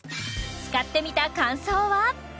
使ってみた感想は？